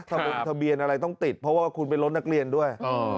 บงทะเบียนอะไรต้องติดเพราะว่าคุณเป็นรถนักเรียนด้วย